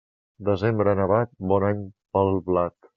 Desembre nevat, bon any per al blat.